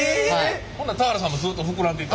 ほんなら田原さんもずっと膨らんでいった？